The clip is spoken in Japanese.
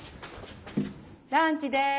ランチです。